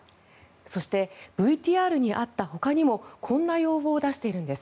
そして、ＶＴＲにあったほかにもこんな要望を出しているんです。